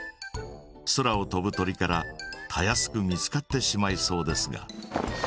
空を飛ぶ鳥からたやすく見つかってしまいそうですが。